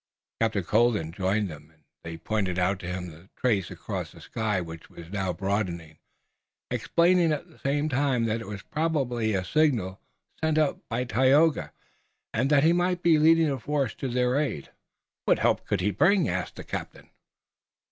Captain Colden joined them, and they pointed out to him the trace across the sky which was now broadening, explaining at the same time that it was probably a signal sent up by Tayoga, and that he might be leading a force to their aid. "What help could he bring?" asked the captain.